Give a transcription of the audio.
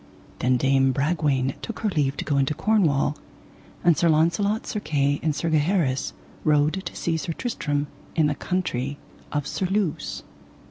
Then Dame Bragwaine took her leave to go into Cornwall, and Sir Launcelot, Sir Kay, and Sir Gaheris rode to seek Sir Tristram in the country of Surluse.